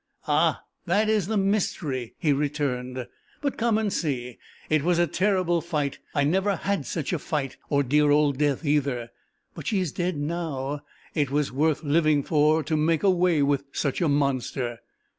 "Ah, that is the mystery!" he returned. "But come and see. It was a terrible fight. I never had such a fight or dear old Death either. But she's dead now! It was worth living for, to make away with such a monster!"